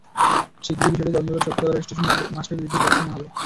শিগগিরই বিষয়টি তদন্ত করে সত্যতা পেলে স্টেশনমাস্টারের বিরুদ্ধে ব্যবস্থা নেওয়া হবে।